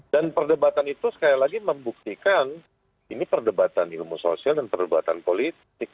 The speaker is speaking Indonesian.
dan perdebatan itu sekali lagi membuktikan ini perdebatan ilmu sosial dan perdebatan politik